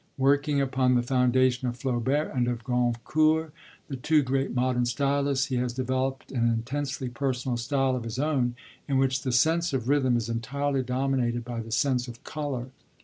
_ Working upon the foundation of Flaubert and of Goncourt, the two great modern stylists, he has developed an intensely personal style of his own, in which the sense of rhythm is entirely dominated by the sense of colour.